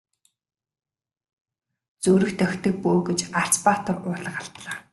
Зүрх тахидаг бөө гэж Арц баатар уулга алдлаа.